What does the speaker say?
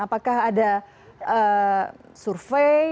apakah ada survei ada penelitian terkait hal ini mengenai adanya